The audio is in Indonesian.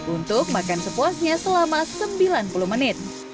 untuk makan sepuasnya selama sembilan puluh menit